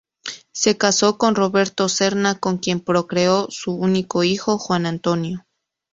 Se casó con Roberto Serna con quien procreó su único hijo, Juan Antonio.